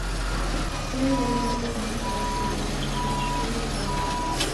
Kalenjon kamennyu abarchikey somanet situn kotoreto.